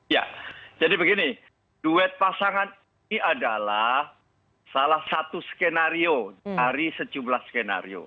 ya jadi begini duet pasangan ini adalah salah satu skenario dari sejumlah skenario